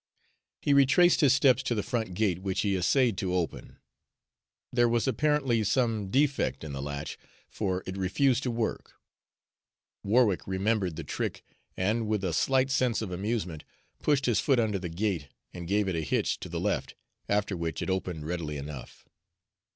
He retraced his steps to the front gate, which he essayed to open. There was apparently some defect in the latch, for it refused to work. Warwick remembered the trick, and with a slight sense of amusement, pushed his foot under the gate and gave it a hitch to the left, after which it opened readily enough.